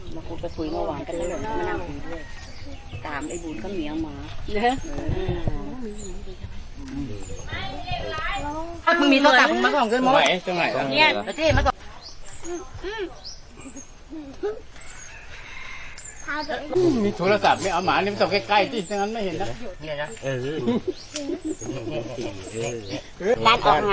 มีโทรศัพท์ไม่เอาหมานิดเดี๋ยวใกล้จริงไม่เห็นแล้ว